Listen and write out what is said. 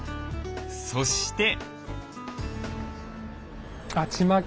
そして。